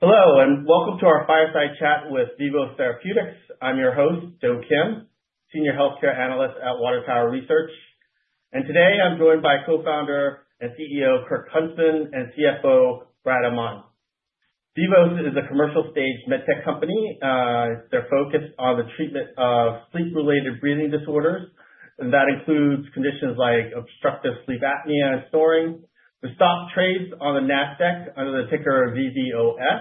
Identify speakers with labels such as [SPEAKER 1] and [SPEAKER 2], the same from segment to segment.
[SPEAKER 1] Hello, and welcome to our fireside chat with Vivos Therapeutics. I'm your host, Joe Kim, Senior Healthcare Analyst at Water Tower Research. Today I'm joined by co-founder and CEO Kirk Huntsman and CFO Brad Amman. Vivos is a commercial-stage medtech company. They're focused on the treatment of sleep-related breathing disorders, and that includes conditions like obstructive sleep apnea and snoring. The stock trades on the Nasdaq under the ticker VVOS.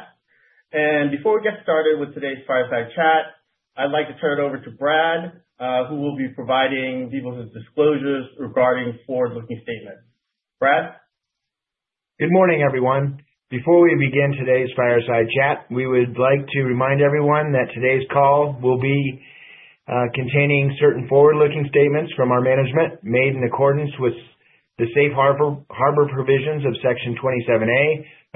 [SPEAKER 1] Before we get started with today's fireside chat, I'd like to turn it over to Brad, who will be providing Vivos' disclosures regarding forward-looking statements. Brad?
[SPEAKER 2] Good morning, everyone. Before we begin today's fireside chat, we would like to remind everyone that today's call will be containing certain forward-looking statements from our management made in accordance with the safe harbor provisions of Section 27A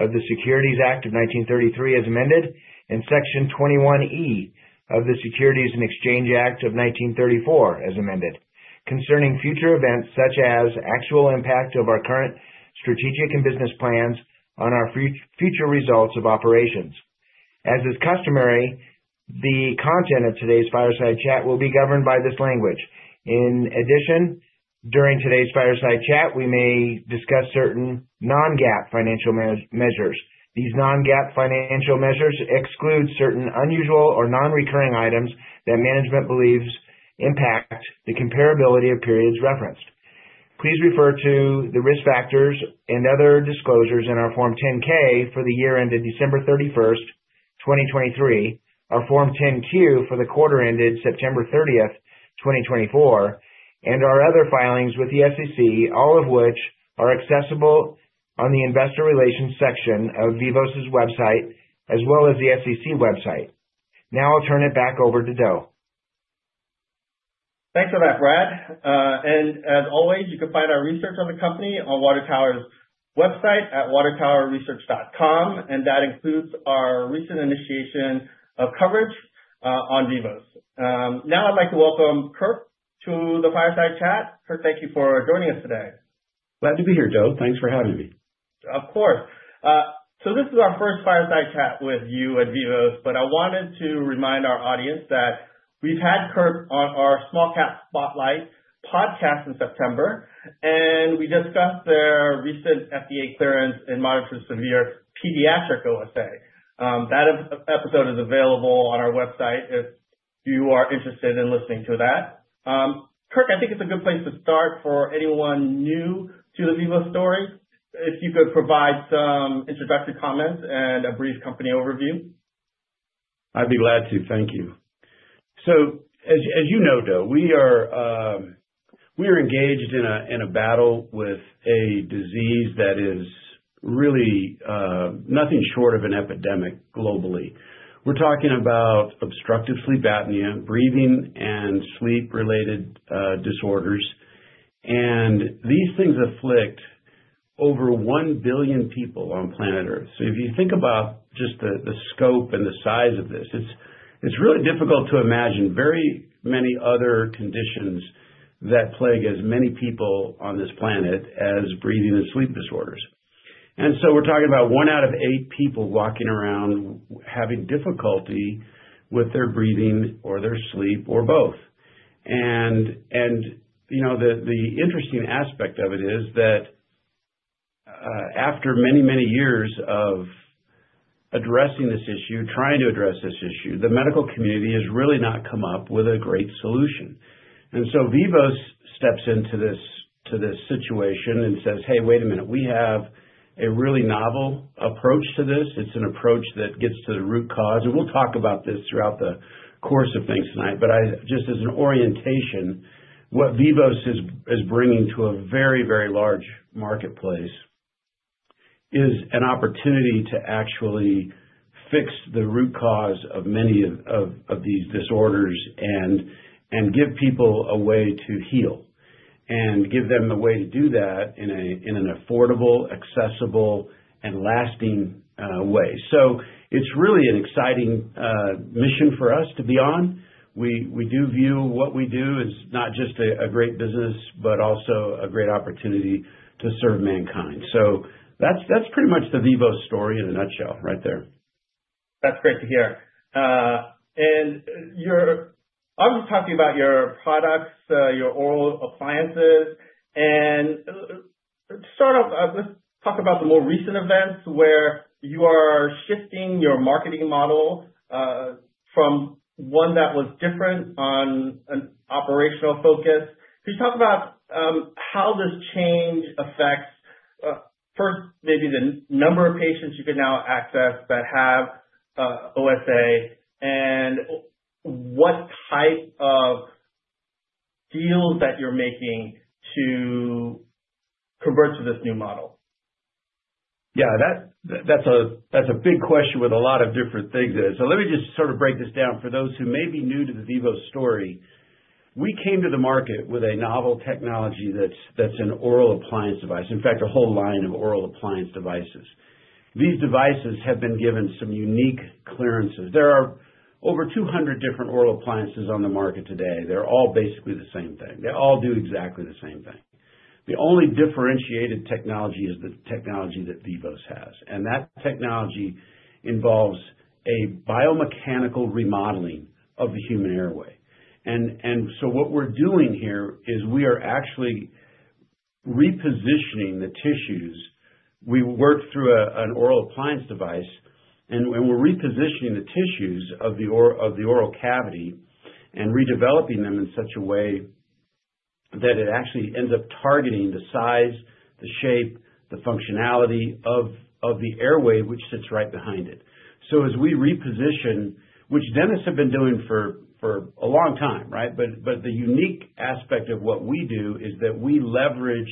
[SPEAKER 2] of the Securities Act of 1933, as amended, and Section 21E of the Securities and Exchange Act of 1934, as amended, concerning future events such as the actual impact of our current strategic and business plans on our future results of operations. As is customary, the content of today's fireside chat will be governed by this language. In addition, during today's fireside chat, we may discuss certain non-GAAP financial measures. These non-GAAP financial measures exclude certain unusual or non-recurring items that management believes impact the comparability of periods referenced. Please refer to the risk factors and other disclosures in our Form 10-K for the year ended December 31, 2023, our Form 10-Q for the quarter ended September 30, 2024, and our other filings with the SEC, all of which are accessible on the Investor Relations section of Vivos' website as well as the SEC website. Now I'll turn it back over to Joe.
[SPEAKER 1] Thanks for that, Brad. As always, you can find our research on the company on Water Tower's website at watertowerresearch.com, and that includes our recent initiation of coverage on Vivos. Now I'd like to welcome Kirk to the fireside chat. Kirk, thank you for joining us today.
[SPEAKER 3] Glad to be here, Joe. Thanks for having me.
[SPEAKER 1] Of course. This is our first fireside chat with you and Vivos, but I wanted to remind our audience that we've had Kirk on our Small Cap Spotlight podcast in September, and we discussed their recent FDA clearance and monitored severe pediatric OSA. That episode is available on our website if you are interested in listening to that. Kirk, I think it's a good place to start for anyone new to the Vivos story, if you could provide some introductory comments and a brief company overview.
[SPEAKER 3] I'd be glad to. Thank you. As you know, Joe, we are engaged in a battle with a disease that is really nothing short of an epidemic globally. We're talking about obstructive sleep apnea, breathing, and sleep-related disorders. These things afflict over 1 billion people on planet Earth. If you think about just the scope and the size of this, it's really difficult to imagine very many other conditions that plague as many people on this planet as breathing and sleep disorders. We're talking about one out of eight people walking around having difficulty with their breathing or their sleep or both. The interesting aspect of it is that after many, many years of addressing this issue, trying to address this issue, the medical community has really not come up with a great solution. Vivos steps into this situation and says, "Hey, wait a minute, we have a really novel approach to this. It's an approach that gets to the root cause." We will talk about this throughout the course of things tonight. Just as an orientation, what Vivos is bringing to a very, very large marketplace is an opportunity to actually fix the root cause of many of these disorders and give people a way to heal and give them the way to do that in an affordable, accessible, and lasting way. It is really an exciting mission for us to be on. We do view what we do as not just a great business, but also a great opportunity to serve mankind. That is pretty much the Vivos story in a nutshell right there.
[SPEAKER 1] That's great to hear. I was talking about your products, your oral appliances. To start off, let's talk about the more recent events where you are shifting your marketing model from one that was different on an operational focus. Could you talk about how this change affects first, maybe the number of patients you can now access that have OSA and what type of deals that you're making to convert to this new model?
[SPEAKER 3] Yeah, that's a big question with a lot of different things in it. Let me just sort of break this down for those who may be new to the Vivos story. We came to the market with a novel technology that's an oral appliance device, in fact, a whole line of oral appliance devices. These devices have been given some unique clearances. There are over 200 different oral appliances on the market today. They're all basically the same thing. They all do exactly the same thing. The only differentiated technology is the technology that Vivos has. That technology involves a biomechanical remodeling of the human airway. What we're doing here is we are actually repositioning the tissues. We work through an oral appliance device, and we're repositioning the tissues of the oral cavity and redeveloping them in such a way that it actually ends up targeting the size, the shape, the functionality of the airway, which sits right behind it. As we reposition, which dentists have been doing for a long time, right? The unique aspect of what we do is that we leverage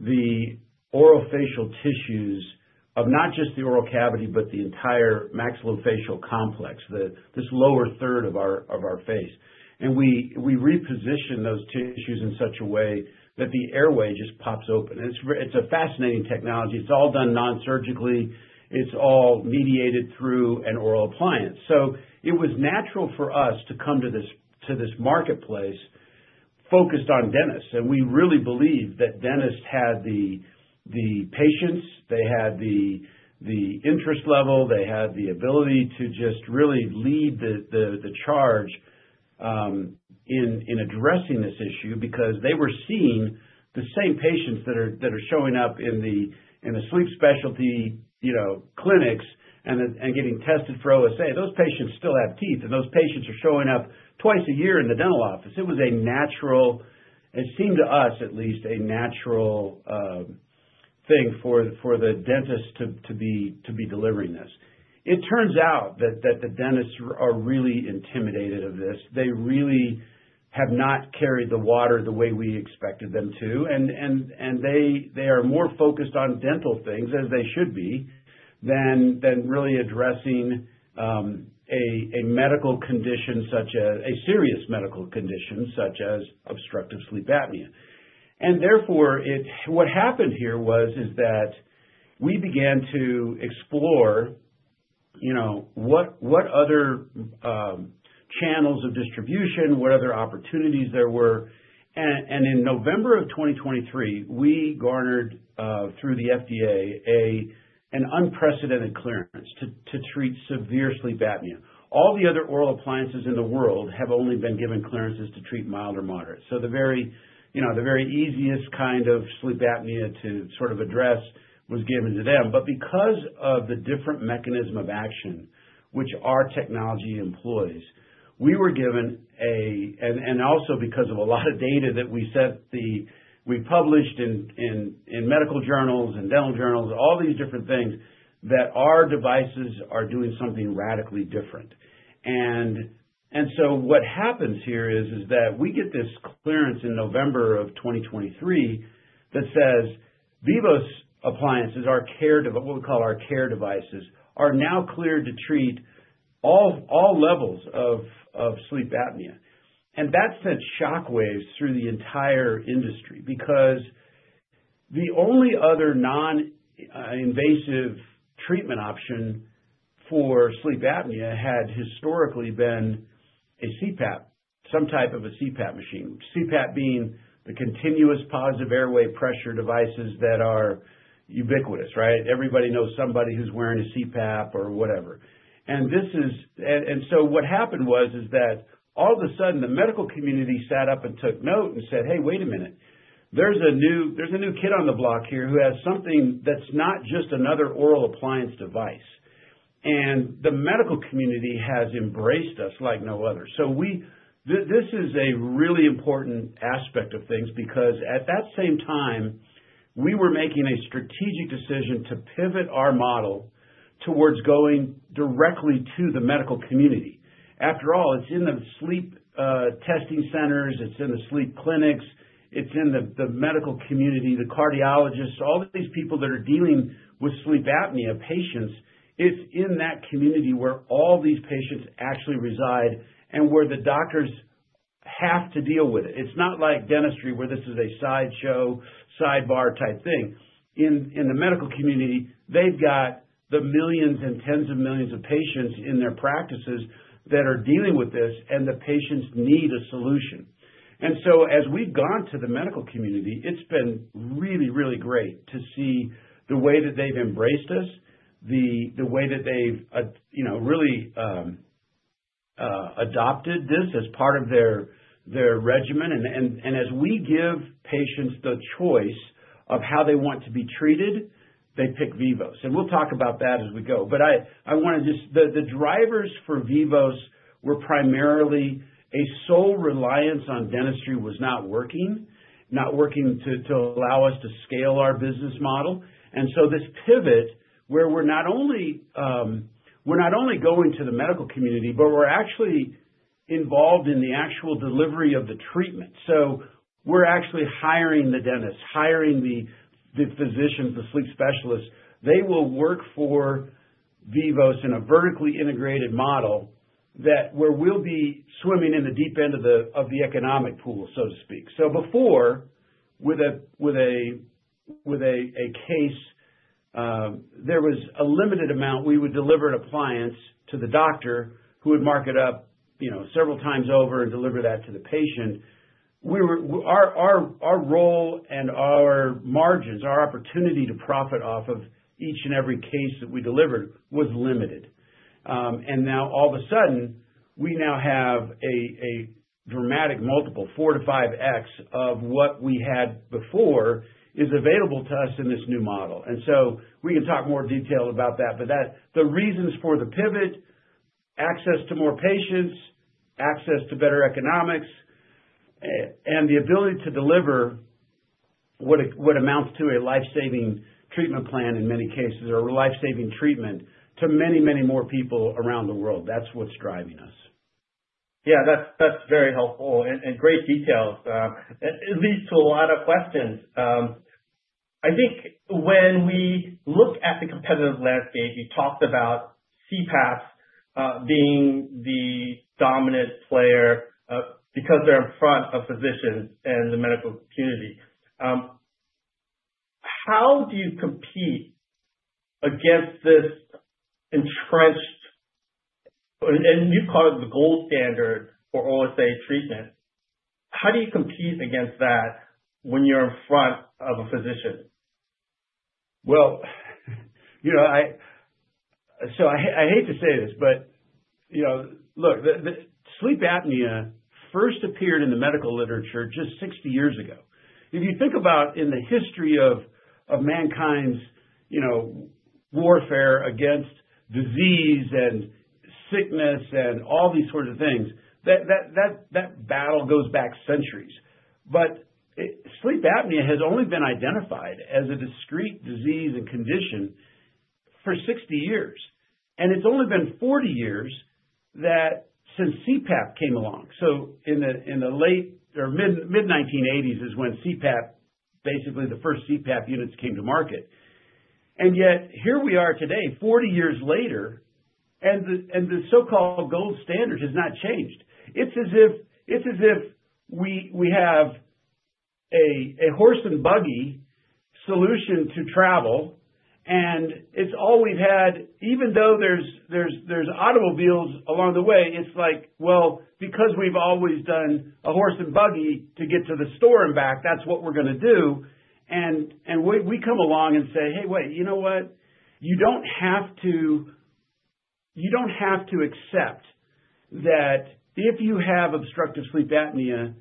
[SPEAKER 3] the orofacial tissues of not just the oral cavity, but the entire maxillofacial complex, this lower third of our face. We reposition those tissues in such a way that the airway just pops open. It's a fascinating technology. It's all done nonsurgically. It's all mediated through an oral appliance. It was natural for us to come to this marketplace focused on dentists. We really believe that dentists had the patients, they had the interest level, they had the ability to just really lead the charge in addressing this issue because they were seeing the same patients that are showing up in the sleep specialty clinics and getting tested for OSA. Those patients still have teeth, and those patients are showing up twice a year in the dental office. It was a natural, it seemed to us at least, a natural thing for the dentist to be delivering this. It turns out that the dentists are really intimidated of this. They really have not carried the water the way we expected them to. They are more focused on dental things, as they should be, than really addressing a medical condition, such as a serious medical condition, such as obstructive sleep apnea. Therefore, what happened here was that we began to explore what other channels of distribution, what other opportunities there were. In November of 2023, we garnered through the FDA an unprecedented clearance to treat severe sleep apnea. All the other oral appliances in the world have only been given clearances to treat mild or moderate. The very easiest kind of sleep apnea to sort of address was given to them. Because of the different mechanism of action, which our technology employs, we were given a, and also because of a lot of data that we published in medical journals and dental journals, all these different things that our devices are doing something radically different. What happens here is that we get this clearance in November of 2023 that says Vivos appliances, what we call our CARE devices, are now cleared to treat all levels of sleep apnea. That sent shockwaves through the entire industry because the only other non-invasive treatment option for sleep apnea had historically been a CPAP, some type of a CPAP machine, CPAP being the continuous positive airway pressure devices that are ubiquitous, right? Everybody knows somebody who's wearing a CPAP or whatever. What happened was that all of a sudden, the medical community sat up and took note and said, "Hey, wait a minute. There's a new kid on the block here who has something that's not just another oral appliance device." The medical community has embraced us like no other. This is a really important aspect of things because at that same time, we were making a strategic decision to pivot our model towards going directly to the medical community. After all, it's in the sleep testing centers, it's in the sleep clinics, it's in the medical community, the cardiologists, all these people that are dealing with sleep apnea patients. It's in that community where all these patients actually reside and where the doctors have to deal with it. It's not like dentistry where this is a sideshow, sidebar type thing. In the medical community, they've got the millions and tens of millions of patients in their practices that are dealing with this, and the patients need a solution. As we have gone to the medical community, it has been really, really great to see the way that they have embraced us, the way that they have really adopted this as part of their regimen. As we give patients the choice of how they want to be treated, they pick Vivos. We will talk about that as we go. I want to just, the drivers for Vivos were primarily a sole reliance on dentistry was not working, not working to allow us to scale our business model. This pivot where we are not only going to the medical community, but we are actually involved in the actual delivery of the treatment. We are actually hiring the dentists, hiring the physicians, the sleep specialists. They will work for Vivos in a vertically integrated model where we will be swimming in the deep end of the economic pool, so to speak. Before, with a case, there was a limited amount. We would deliver an appliance to the doctor who would mark it up several times over and deliver that to the patient. Our role and our margins, our opportunity to profit off of each and every case that we delivered was limited. Now all of a sudden, we now have a dramatic multiple, four to five X of what we had before is available to us in this new model. We can talk more detail about that. The reasons for the pivot are access to more patients, access to better economics, and the ability to deliver what amounts to a lifesaving treatment plan in many cases or lifesaving treatment to many, many more people around the world. That's what's driving us.
[SPEAKER 1] Yeah, that's very helpful and great details. It leads to a lot of questions. I think when we look at the competitive landscape, you talked about CPAPs being the dominant player because they're in front of physicians and the medical community. How do you compete against this entrenched, and you call it the gold standard for OSA treatment? How do you compete against that when you're in front of a physician?
[SPEAKER 3] I hate to say this, but look, sleep apnea first appeared in the medical literature just 60 years ago. If you think about in the history of mankind's warfare against disease and sickness and all these sorts of things, that battle goes back centuries. Sleep apnea has only been identified as a discrete disease and condition for 60 years. It has only been 40 years since CPAP came along. In the late or mid-1980s is when CPAP, basically the first CPAP units came to market. Yet here we are today, 40 years later, and the so-called gold standard has not changed. It is as if we have a horse and buggy solution to travel. It is all we have had, even though there are automobiles along the way, it is like, because we have always done a horse and buggy to get to the store and back, that is what we are going to do. We come along and say, "Hey, wait, you know what? You do not have to accept that if you have obstructive sleep apnea,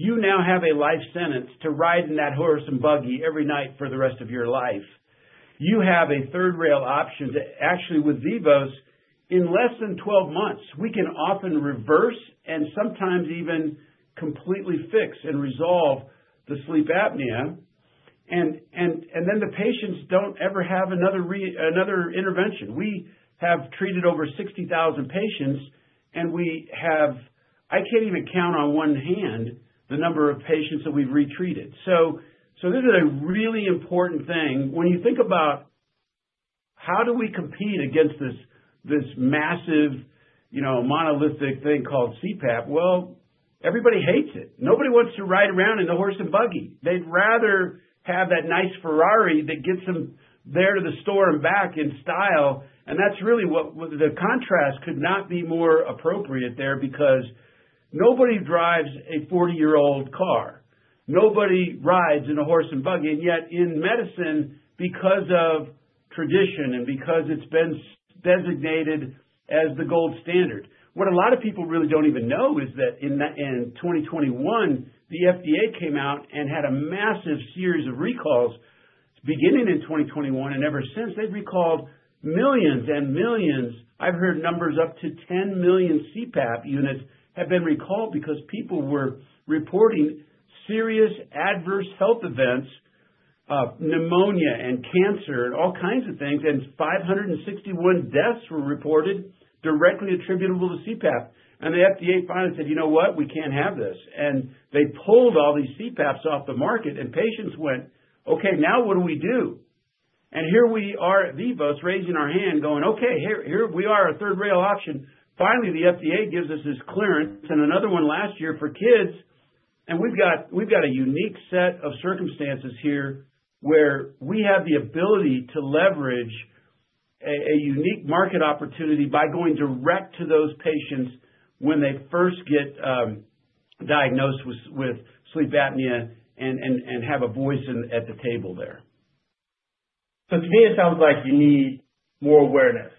[SPEAKER 3] you now have a life sentence to ride in that horse and buggy every night for the rest of your life. You have a third rail option to actually, with Vivos, in less than 12 months, we can often reverse and sometimes even completely fix and resolve the sleep apnea." The patients do not ever have another intervention. We have treated over 60,000 patients, and I cannot even count on one hand the number of patients that we have retreated. This is a really important thing. When you think about how do we compete against this massive monolithic thing called CPAP? Everybody hates it. Nobody wants to ride around in the horse and buggy. They'd rather have that nice Ferrari that gets them there to the store and back in style. That's really what the contrast could not be more appropriate there because nobody drives a 40-year-old car. Nobody rides in a horse and buggy, and yet in medicine, because of tradition and because it's been designated as the gold standard, what a lot of people really don't even know is that in 2021, the FDA came out and had a massive series of recalls beginning in 2021. Ever since, they've recalled millions and millions. I've heard numbers up to 10 million CPAP units have been recalled because people were reporting serious adverse health events, pneumonia and cancer and all kinds of things. 561 deaths were reported directly attributable to CPAP. The FDA finally said, "You know what? We can't have this." They pulled all these CPAPs off the market, and patients went, "Okay, now what do we do?" Here we are at Vivos raising our hand going, "Okay, here we are at third rail option." Finally, the FDA gives us this clearance and another one last year for kids. We've got a unique set of circumstances here where we have the ability to leverage a unique market opportunity by going direct to those patients when they first get diagnosed with sleep apnea and have a voice at the table there.
[SPEAKER 1] To me, it sounds like you need more awareness.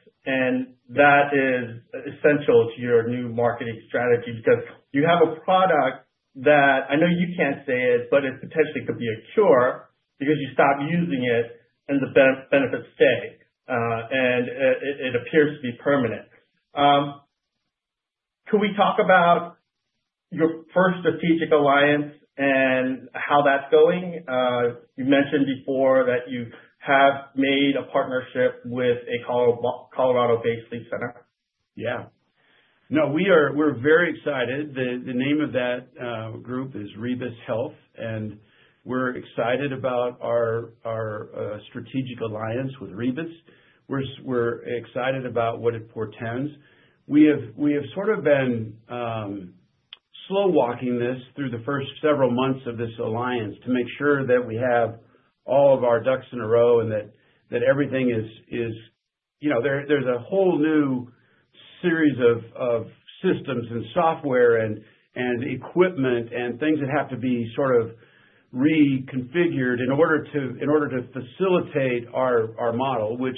[SPEAKER 1] That is essential to your new marketing strategy because you have a product that I know you can't say it, but it potentially could be a cure because you stop using it and the benefits stay. It appears to be permanent. Can we talk about your first strategic alliance and how that's going? You mentioned before that you have made a partnership with a Colorado-based sleep center.
[SPEAKER 3] Yeah. No, we're very excited. The name of that group is Vivos Health, and we're excited about our strategic alliance with Vivos. We're excited about what it portends. We have sort of been slow-walking this through the first several months of this alliance to make sure that we have all of our ducks in a row and that everything is, there's a whole new series of systems and software and equipment and things that have to be sort of reconfigured in order to facilitate our model, which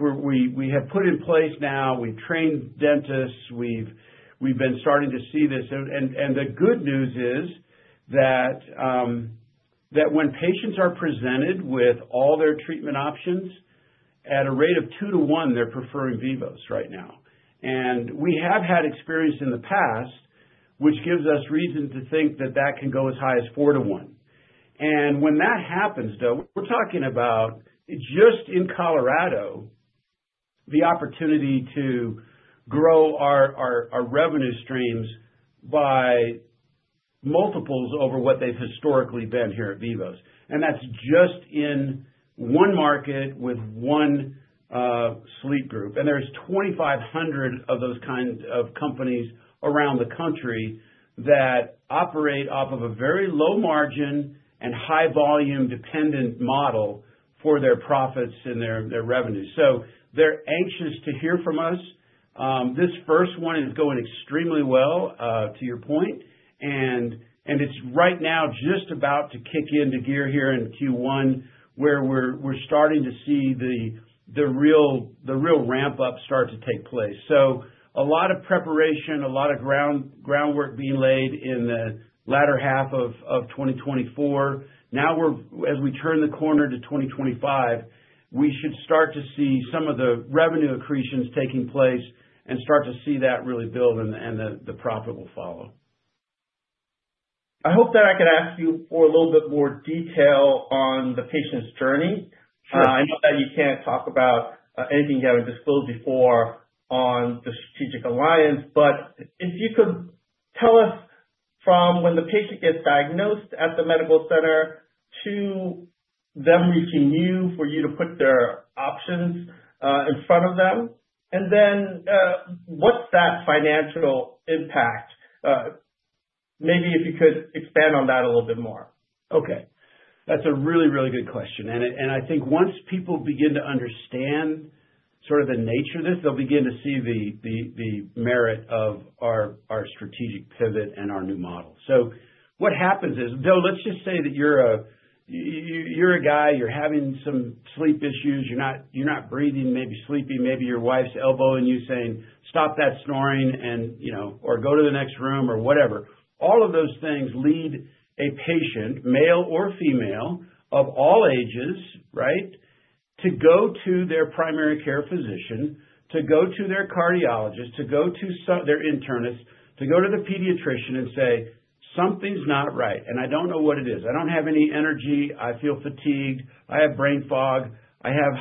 [SPEAKER 3] we have put in place now. We've trained dentists. We've been starting to see this. The good news is that when patients are presented with all their treatment options, at a rate of two to one, they're preferring Vivos right now. We have had experience in the past, which gives us reason to think that that can go as high as four to one. When that happens, though, we're talking about just in Colorado, the opportunity to grow our revenue streams by multiples over what they've historically been here at Vivos. That's just in one market with one sleep group. There are 2,500 of those kinds of companies around the country that operate off of a very low margin and high volume dependent model for their profits and their revenue. They're anxious to hear from us. This first one is going extremely well, to your point. It's right now just about to kick into gear here in Q1, where we're starting to see the real ramp-up start to take place. A lot of preparation, a lot of groundwork being laid in the latter half of 2024. Now, as we turn the corner to 2025, we should start to see some of the revenue accretions taking place and start to see that really build, and the profit will follow.
[SPEAKER 1] I hope that I could ask you for a little bit more detail on the patient's journey. I know that you can't talk about anything you haven't disclosed before on the strategic alliance, but if you could tell us from when the patient gets diagnosed at the medical center to them reaching you for you to put their options in front of them. What's that financial impact? Maybe if you could expand on that a little bit more.
[SPEAKER 3] Okay. That's a really, really good question. I think once people begin to understand sort of the nature of this, they'll begin to see the merit of our strategic pivot and our new model. What happens is, though, let's just say that you're a guy, you're having some sleep issues, you're not breathing, maybe sleeping, maybe your wife's elbowing you saying, "Stop that snoring," or, "Go to the next room," or whatever. All of those things lead a patient, male or female, of all ages, right, to go to their primary care physician, to go to their cardiologist, to go to their internist, to go to the pediatrician and say, "Something's not right, and I don't know what it is. I don't have any energy. I feel fatigued. I have brain fog. I have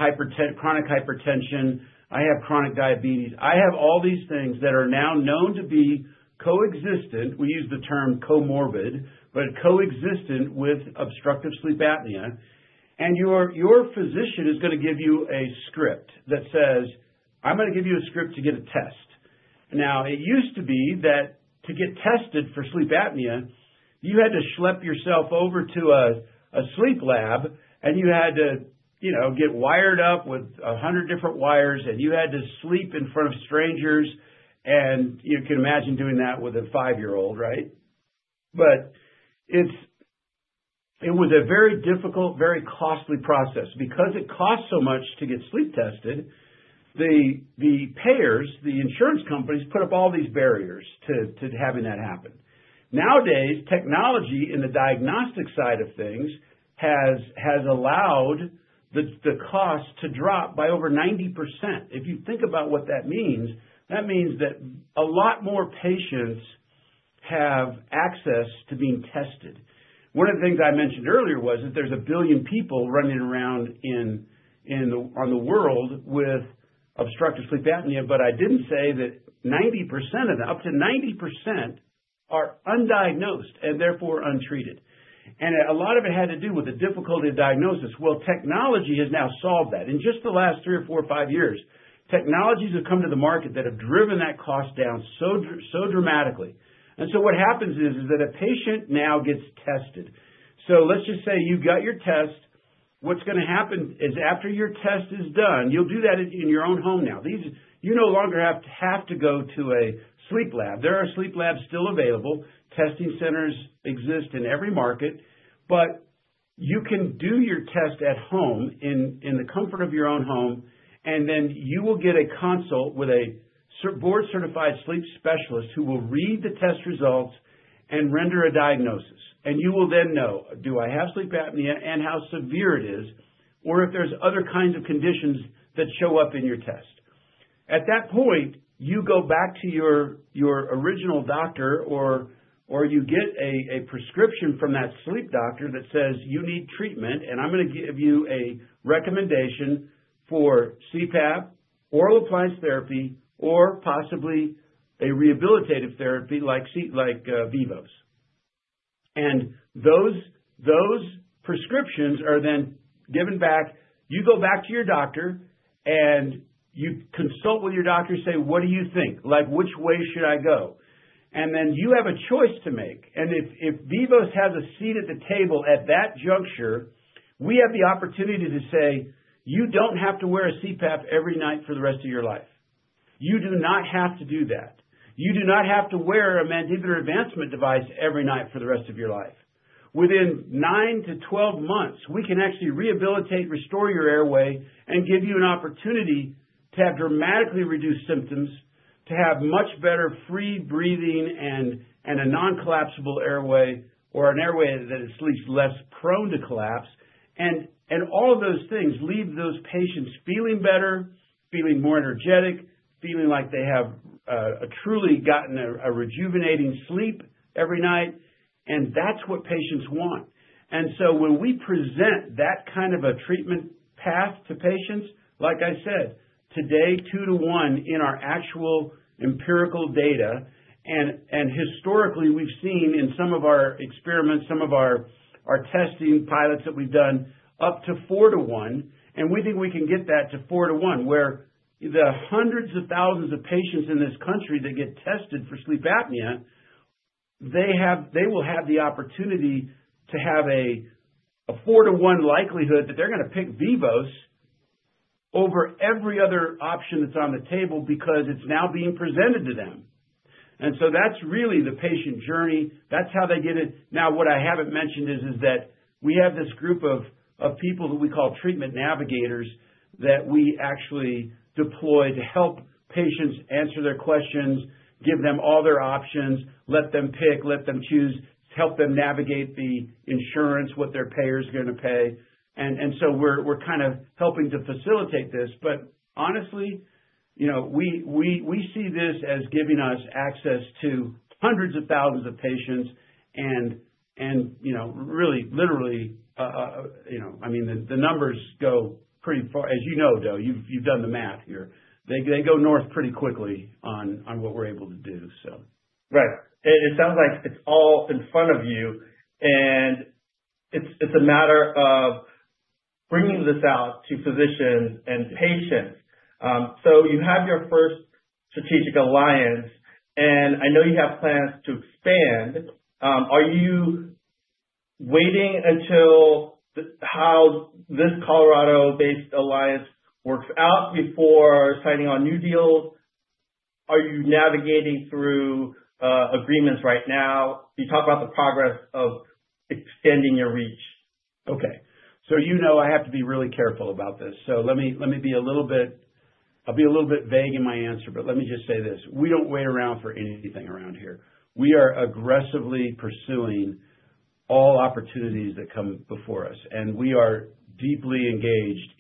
[SPEAKER 3] chronic hypertension. I have chronic diabetes. I have all these things that are now known to be coexistent. We use the term comorbid, but coexistent with obstructive sleep apnea. Your physician is going to give you a script that says, "I'm going to give you a script to get a test." It used to be that to get tested for sleep apnea, you had to schlep yourself over to a sleep lab, and you had to get wired up with 100 different wires, and you had to sleep in front of strangers. You can imagine doing that with a five-year-old, right? It was a very difficult, very costly process. Because it costs so much to get sleep tested, the payers, the insurance companies put up all these barriers to having that happen. Nowadays, technology in the diagnostic side of things has allowed the cost to drop by over 90%. If you think about what that means, that means that a lot more patients have access to being tested. One of the things I mentioned earlier was that there's a billion people running around on the world with obstructive sleep apnea, but I didn't say that 90% of them, up to 90%, are undiagnosed and therefore untreated. A lot of it had to do with the difficulty of diagnosis. Technology has now solved that. In just the last three or four or five years, technologies have come to the market that have driven that cost down so dramatically. What happens is that a patient now gets tested. Let's just say you got your test. What's going to happen is after your test is done, you'll do that in your own home now. You no longer have to go to a sleep lab. There are sleep labs still available. Testing centers exist in every market, but you can do your test at home in the comfort of your own home, and then you will get a consult with a board-certified sleep specialist who will read the test results and render a diagnosis. You will then know, "Do I have sleep apnea and how severe it is, or if there's other kinds of conditions that show up in your test?" At that point, you go back to your original doctor, or you get a prescription from that sleep doctor that says, "You need treatment, and I'm going to give you a recommendation for CPAP, oral appliance therapy, or possibly a rehabilitative therapy like Vivos." Those prescriptions are then given back. You go back to your doctor, and you consult with your doctor, say, "What do you think? Which way should I go?" And then you have a choice to make. If Vivos has a seat at the table at that juncture, we have the opportunity to say, "You don't have to wear a CPAP every night for the rest of your life. You do not have to do that. You do not have to wear a mandibular advancement device every night for the rest of your life." Within 9-12 months, we can actually rehabilitate, restore your airway, and give you an opportunity to have dramatically reduced symptoms, to have much better free breathing and a non-collapsible airway or an airway that is at least less prone to collapse. All of those things leave those patients feeling better, feeling more energetic, feeling like they have truly gotten a rejuvenating sleep every night. That is what patients want. When we present that kind of a treatment path to patients, like I said, today, two to one in our actual empirical data. Historically, we've seen in some of our experiments, some of our testing pilots that we've done, up to four to one. We think we can get that to four to one, where the hundreds of thousands of patients in this country that get tested for sleep apnea will have the opportunity to have a four to one likelihood that they're going to pick Vivos over every other option that's on the table because it's now being presented to them. That's really the patient journey. That's how they get it. Now, what I haven't mentioned is that we have this group of people that we call treatment navigators that we actually deploy to help patients answer their questions, give them all their options, let them pick, let them choose, help them navigate the insurance, what their payer is going to pay. We are kind of helping to facilitate this. Honestly, we see this as giving us access to hundreds of thousands of patients. Really, literally, I mean, the numbers go pretty far. As you know, though, you've done the math here. They go north pretty quickly on what we're able to do.
[SPEAKER 1] Right. It sounds like it's all in front of you, and it's a matter of bringing this out to physicians and patients. You have your first strategic alliance, and I know you have plans to expand. Are you waiting until how this Colorado-based alliance works out before signing on new deals? Are you navigating through agreements right now? You talk about the progress of extending your reach.
[SPEAKER 3] Okay. You know I have to be really careful about this. Let me be a little bit, I'll be a little bit vague in my answer, but let me just say this. We don't wait around for anything around here. We are aggressively pursuing all opportunities that come before us. We are deeply engaged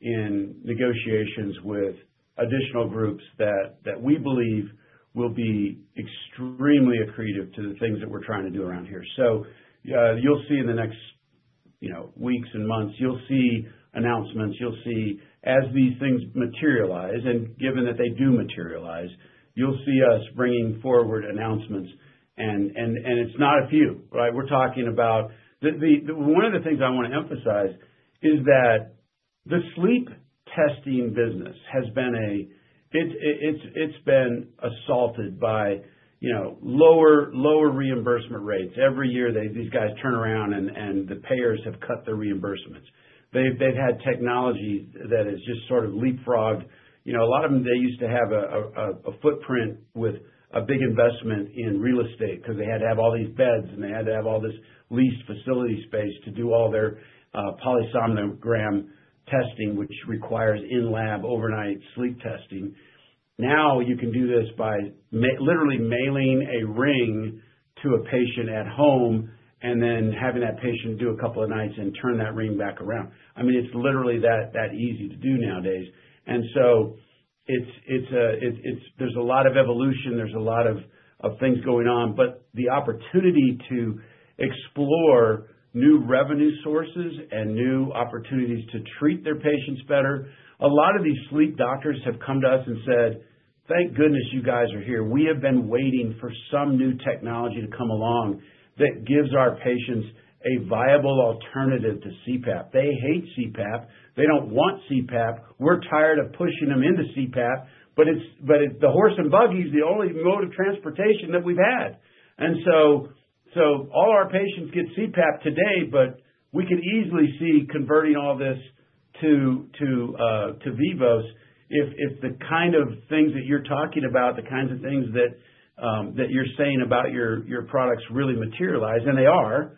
[SPEAKER 3] in negotiations with additional groups that we believe will be extremely accretive to the things that we're trying to do around here. You'll see in the next weeks and months, you'll see announcements. You'll see as these things materialize, and given that they do materialize, you'll see us bringing forward announcements. It's not a few, right? One of the things I want to emphasize is that the sleep testing business has been assaulted by lower reimbursement rates. Every year, these guys turn around, and the payers have cut their reimbursements. They've had technology that is just sort of leapfrogged. A lot of them, they used to have a footprint with a big investment in real estate because they had to have all these beds, and they had to have all this leased facility space to do all their polysomnogram testing, which requires in-lab overnight sleep testing. Now, you can do this by literally mailing a ring to a patient at home and then having that patient do a couple of nights and turn that ring back around. I mean, it's literally that easy to do nowadays. There is a lot of evolution. There is a lot of things going on. The opportunity to explore new revenue sources and new opportunities to treat their patients better, a lot of these sleep doctors have come to us and said, "Thank goodness you guys are here. We have been waiting for some new technology to come along that gives our patients a viable alternative to CPAP." They hate CPAP. They do not want CPAP. We are tired of pushing them into CPAP, but the horse and buggy is the only mode of transportation that we have had. All our patients get CPAP today, but we could easily see converting all this to Vivos. If the kind of things that you are talking about, the kinds of things that you are saying about your products really materialize, and they are,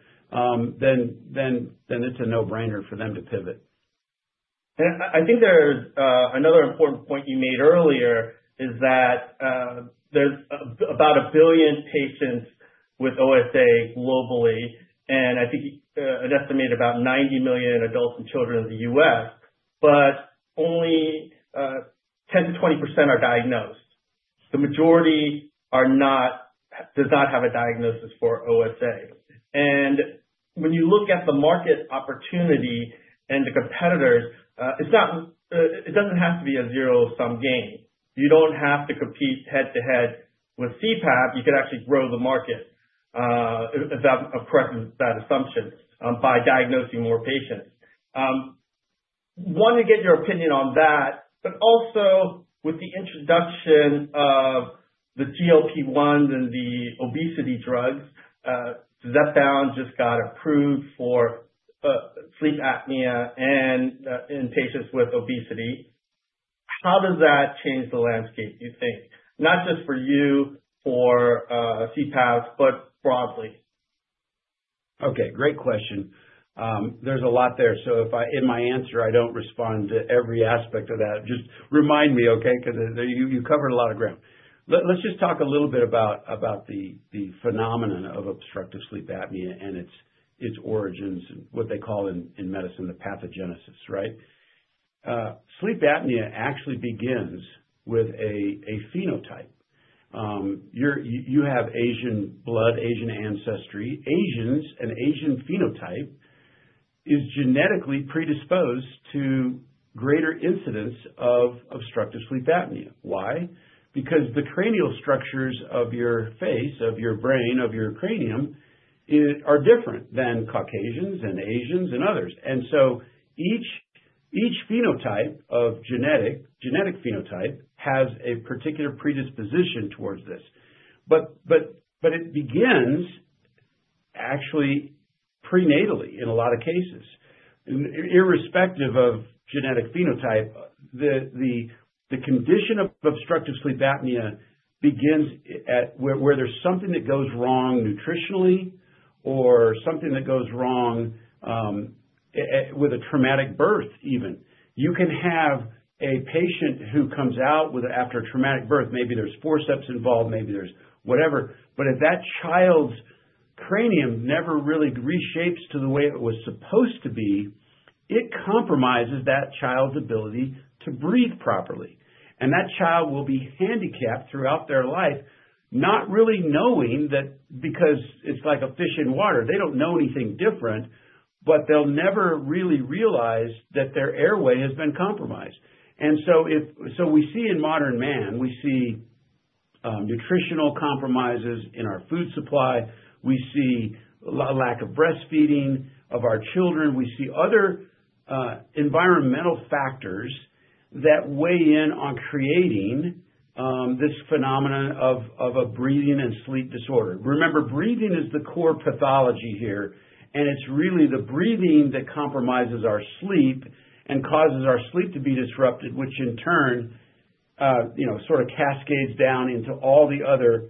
[SPEAKER 3] then it is a no-brainer for them to pivot.
[SPEAKER 1] I think there's another important point you made earlier is that there's about a billion patients with OSA globally, and I think an estimated about 90 million adults and children in the U.S., but only 10-20% are diagnosed. The majority does not have a diagnosis for OSA. When you look at the market opportunity and the competitors, it doesn't have to be a zero-sum game. You don't have to compete head-to-head with CPAP. You could actually grow the market, if that's a present assumption, by diagnosing more patients. Want to get your opinion on that, but also with the introduction of the GLP-1s and the obesity drugs, Zepbound just got approved for sleep apnea in patients with obesity. How does that change the landscape, do you think? Not just for you, for CPAPs, but broadly.
[SPEAKER 3] Okay. Great question. There's a lot there. In my answer, if I don't respond to every aspect of that, just remind me, okay? Because you covered a lot of ground. Let's just talk a little bit about the phenomenon of obstructive sleep apnea and its origins and what they call in medicine the pathogenesis, right? Sleep apnea actually begins with a phenotype. You have Asian blood, Asian ancestry. Asians, an Asian phenotype, is genetically predisposed to greater incidence of obstructive sleep apnea. Why? Because the cranial structures of your face, of your brain, of your cranium are different than Caucasians and Asians and others. Each phenotype or genetic phenotype has a particular predisposition towards this. It begins actually prenatally in a lot of cases. Irrespective of genetic phenotype, the condition of obstructive sleep apnea begins where there's something that goes wrong nutritionally or something that goes wrong with a traumatic birth even. You can have a patient who comes out after a traumatic birth, maybe there's forceps involved, maybe there's whatever, but if that child's cranium never really reshapes to the way it was supposed to be, it compromises that child's ability to breathe properly. That child will be handicapped throughout their life, not really knowing that because it's like a fish in water. They don't know anything different, but they'll never really realize that their airway has been compromised. We see in modern man, we see nutritional compromises in our food supply. We see a lack of breastfeeding of our children. We see other environmental factors that weigh in on creating this phenomenon of a breathing and sleep disorder. Remember, breathing is the core pathology here, and it's really the breathing that compromises our sleep and causes our sleep to be disrupted, which in turn sort of cascades down into all the other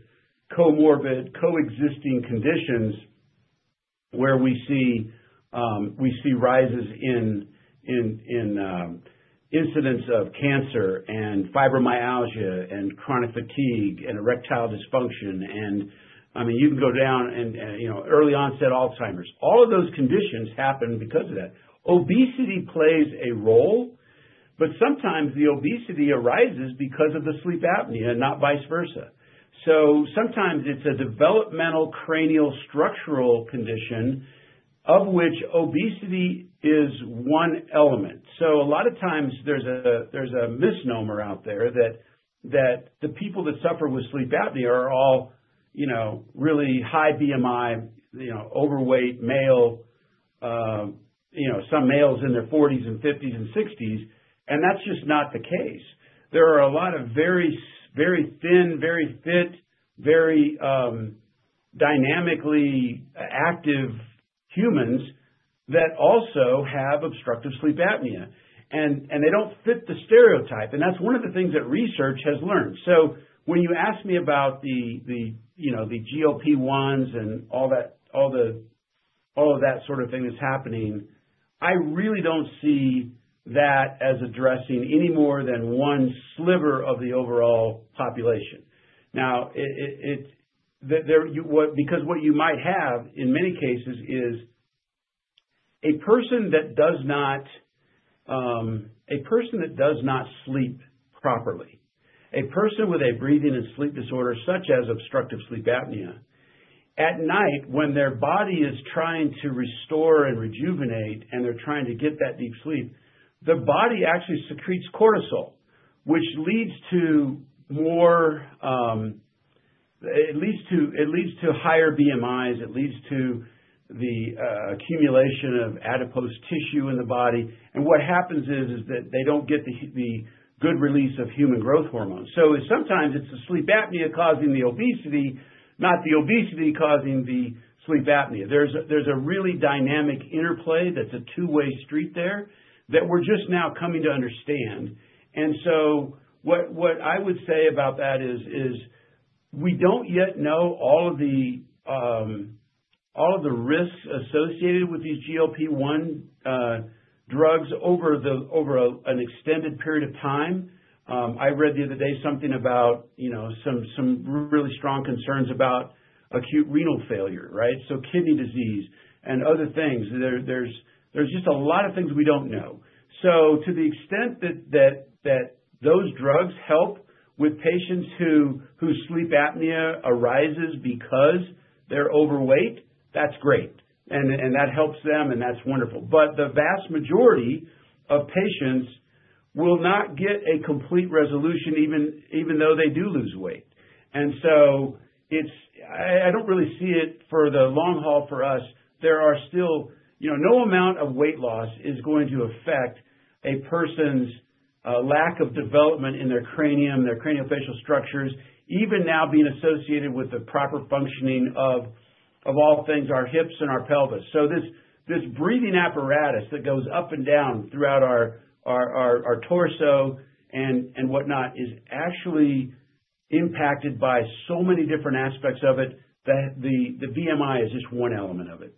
[SPEAKER 3] comorbid coexisting conditions where we see rises in incidence of cancer and fibromyalgia and chronic fatigue and erectile dysfunction. I mean, you can go down and early onset Alzheimer's. All of those conditions happen because of that. Obesity plays a role, but sometimes the obesity arises because of the sleep apnea, not vice versa. Sometimes it's a developmental cranial structural condition of which obesity is one element. A lot of times there's a misnomer out there that the people that suffer with sleep apnea are all really high BMI, overweight males in their 40s and 50s and 60s, and that's just not the case. There are a lot of very thin, very fit, very dynamically active humans that also have obstructive sleep apnea. They do not fit the stereotype. That is one of the things that research has learned. When you ask me about the GLP-1s and all that sort of thing that is happening, I really do not see that as addressing any more than one sliver of the overall population. What you might have in many cases is a person that does not sleep properly, a person with a breathing and sleep disorder such as obstructive sleep apnea, at night, when their body is trying to restore and rejuvenate and they are trying to get that deep sleep, the body actually secretes cortisol, which leads to more, it leads to higher BMIs. It leads to the accumulation of adipose tissue in the body. What happens is that they do not get the good release of human growth hormones. Sometimes it is the sleep apnea causing the obesity, not the obesity causing the sleep apnea. There is a really dynamic interplay that is a two-way street there that we are just now coming to understand. What I would say about that is we do not yet know all of the risks associated with these GLP-1 drugs over an extended period of time. I read the other day something about some really strong concerns about acute renal failure, right? Kidney disease and other things. There are just a lot of things we do not know. To the extent that those drugs help with patients whose sleep apnea arises because they are overweight, that is great. That helps them, and that is wonderful. The vast majority of patients will not get a complete resolution even though they do lose weight. I don't really see it for the long haul for us. There are still no amount of weight loss is going to affect a person's lack of development in their cranium, their craniofacial structures, even now being associated with the proper functioning of all things, our hips and our pelvis. This breathing apparatus that goes up and down throughout our torso and whatnot is actually impacted by so many different aspects of it that the BMI is just one element of it.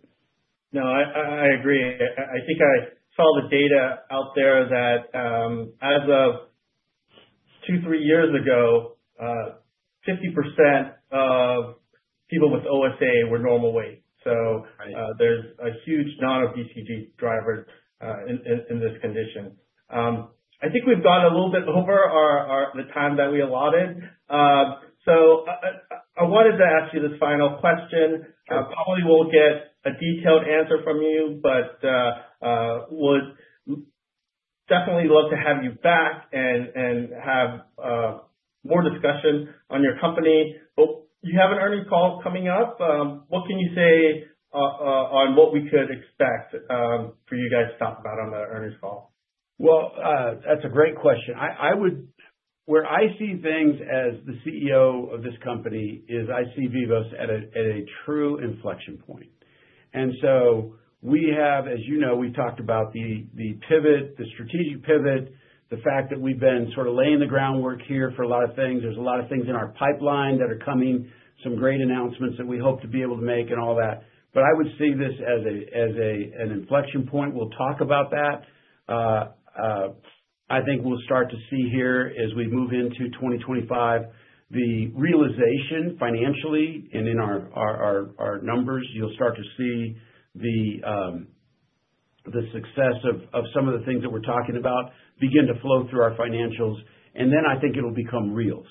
[SPEAKER 1] No, I agree. I think I saw the data out there that as of two, three years ago, 50% of people with OSA were normal weight. There is a huge non-obesity driver in this condition. I think we've gone a little bit over the time that we allotted. I wanted to ask you this final question. Probably won't get a detailed answer from you, but would definitely love to have you back and have more discussion on your company. You have an earnings call coming up. What can you say on what we could expect for you guys to talk about on the earnings call?
[SPEAKER 3] That's a great question. Where I see things as the CEO of this company is I see Vivos at a true inflection point. As you know, we talked about the pivot, the strategic pivot, the fact that we've been sort of laying the groundwork here for a lot of things. There are a lot of things in our pipeline that are coming, some great announcements that we hope to be able to make and all that. I would see this as an inflection point. We'll talk about that. I think we'll start to see here as we move into 2025, the realization financially and in our numbers, you'll start to see the success of some of the things that we're talking about begin to flow through our financials. I think it'll become real.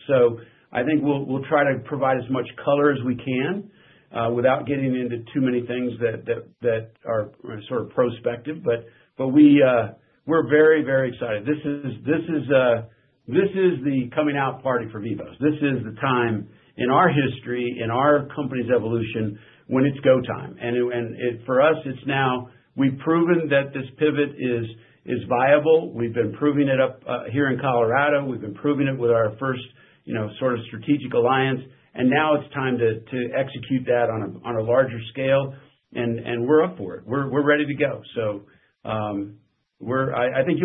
[SPEAKER 3] I think we'll try to provide as much color as we can without getting into too many things that are sort of prospective. We're very, very excited. This is the coming out party for Vivos. This is the time in our history, in our company's evolution, when it's go time. For us, it's now we've proven that this pivot is viable. We've been proving it up here in Colorado. We've been proving it with our first sort of strategic alliance. Now it's time to execute that on a larger scale. We're up for it. We're ready to go. I think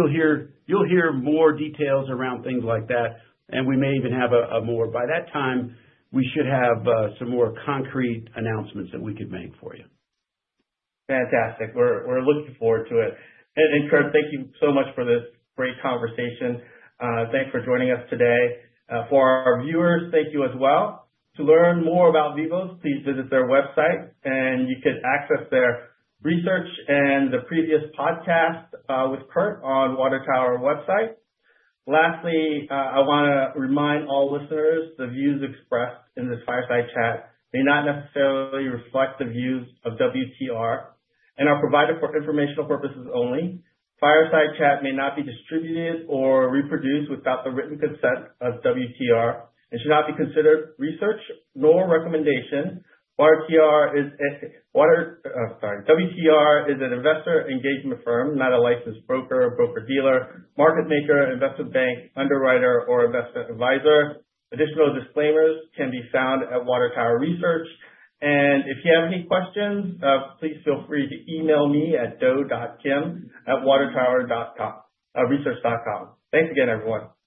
[SPEAKER 3] you'll hear more details around things like that. We may even have more. By that time, we should have some more concrete announcements that we could make for you.
[SPEAKER 1] Fantastic. We're looking forward to it. Kirk, thank you so much for this great conversation. Thanks for joining us today. For our viewers, thank you as well. To learn more about Vivos, please visit their website. You could access their research and the previous podcast with Kirk on Water Tower website. Lastly, I want to remind all listeners, the views expressed in this Fireside Chat may not necessarily reflect the views of WTR and are provided for informational purposes only. Fireside Chat may not be distributed or reproduced without the written consent of WTR and should not be considered research nor recommendation. WTR is an investor engagement firm, not a licensed broker or broker-dealer, market maker, investment bank, underwriter, or investment advisor. Additional disclaimers can be found at Water Tower Research. If you have any questions, please feel free to email me at doe.kim@watertower.com, research.com. Thanks again, everyone.